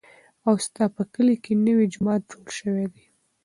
ایا ستا په کلي کې نوی جومات جوړ شوی دی؟